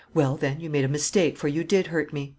"Well, then, you made a mistake, for you did hurt me."